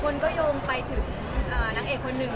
คนเกดยงไปจุดหนังเอกคนหนึ่ง